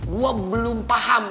gue belum paham